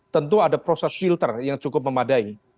tentu ada proses filter yang cukup memadai